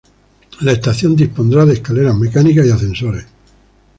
La estación dispondrá de escaleras mecánicas y ascensores.